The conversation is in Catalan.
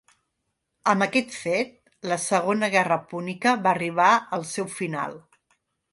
Amb aquest fet, la Segona Guerra Púnica va arribar al seu final.